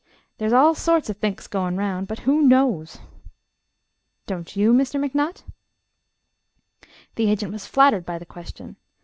There's all sorts o' thinks goin' 'round; but who knows?" "Don't you, Mr. McNutt?" The agent was flattered by the question.